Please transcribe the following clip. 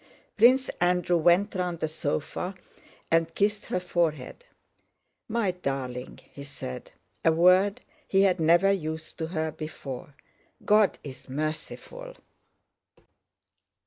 Prince Andrew went round the sofa and kissed her forehead. "My darling!" he said—a word he had never used to her before. "God is merciful...."